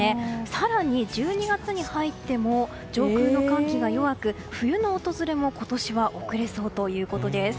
更に、１２月に入っても上空の寒気が弱く、冬の訪れも今年は遅れそうということです。